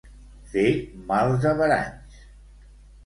Fer mals averanys.